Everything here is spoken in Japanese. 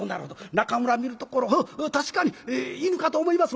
中村見るところ確かに犬かと思います」。